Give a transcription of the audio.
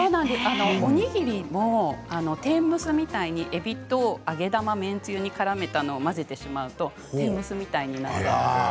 おにぎりの天むすみたいにえびと揚げ玉、麺つゆにからめたのを混ぜてしまうと天むすみたいになります。